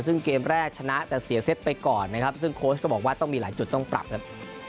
ซึ่งเกมแรกชนะแต่เสียเซตไปก่อนนะครับซึ่งโค้ชก็บอกว่าต้องมีหลายจุดต้องปรับครับ